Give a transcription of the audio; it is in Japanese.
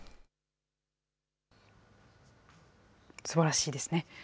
すばらしいですね。